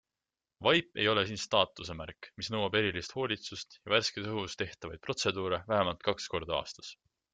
Vaip ei ole siin staatuse märk, mis nõuab erilist hoolitsust ja värskes õhus tehtavaid protseduure vähemalt kaks korda aastas.